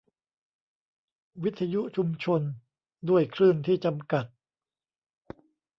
วิทยุชุมชน : ด้วยคลื่นที่จำกัด